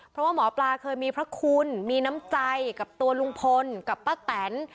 เพราะว่าหมอปลาเคยมีพระคุณมีน้ำใจกับตัวลุงพลกับป้าแตน